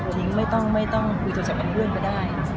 ทิ้งไม่ต้องไม่ต้องคุยโทรศัพท์กับเพื่อนก็ได้